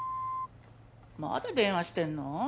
まだ電話してるの？